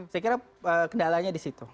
saya kira kendalanya disitu